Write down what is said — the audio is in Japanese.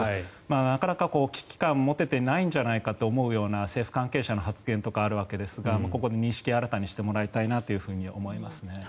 なかなか危機感を持ててないんじゃないかと思うような政府関係者の発言とかあるわけですがここの認識を新たにしてほしいなと思います。